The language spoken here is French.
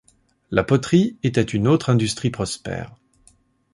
La poterie était une autre industrie prospère.